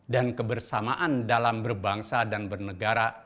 dan kebersamaan dalam berbangsa dan bernegara